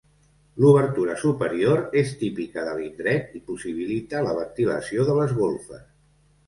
L'obertura superior és típica de l'indret i possibilita la ventilació de les golfes.